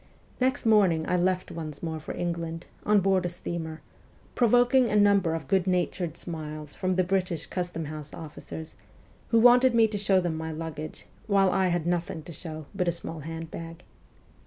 Next morning I left once more for England, on board a steamer, pro voking a number of good natured smiles from the British custom house officers, who wanted me to show them my luggage, while I had nothing to show but a small hand bag.